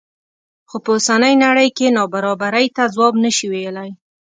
خو په اوسنۍ نړۍ کې نابرابرۍ ته ځواب نه شي ویلی.